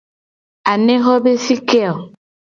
Anexo be fi ke o ?